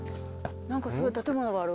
何かすごい建物がある。